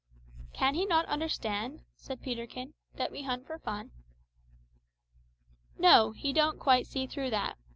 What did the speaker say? "Can he not understand," said Peterkin, "that we hunt for fun?" "No, he don't quite see through that.